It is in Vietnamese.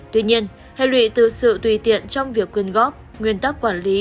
tuy nhiên hệ lụy từ sự tùy tiện trong việc quyên góp nguyên tắc quản lý